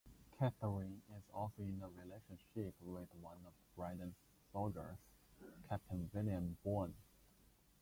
Katherine is also in a relationship with one of Brydon's soldiers, Captain William Boone.